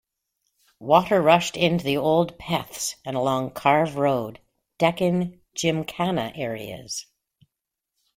Water rushed into the old 'Peths' and along Karve Road, Deccan Gymkhana areas.